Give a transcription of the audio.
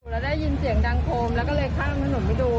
แล้วได้ยินเสียงดังโคมแล้วก็เลยข้ามถนนไปดู